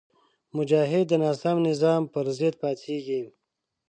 مجاهد د ناسم نظام پر ضد پاڅېږي.